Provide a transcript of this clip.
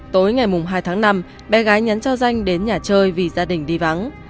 tối ngày mùng hai tháng năm bé gái nhắn cho danh đến nhà chơi vì gia đình đi vắng